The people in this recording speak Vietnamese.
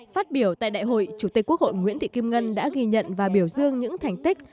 phát biểu tại đại hội chủ tịch quốc hội nguyễn thị kim ngân đã ghi nhận và biểu dương những thành tích